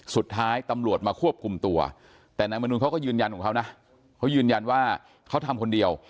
สุดท้ายตำรวจมาควบคุมตัวแต่นายมนุนเขาก็ยืนยันของเขานะเขายืนยันว่าเขาทำคนเดียว